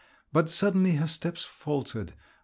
But suddenly her steps faltered.